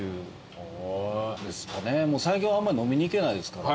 最近はあんまり飲みに行けないですから。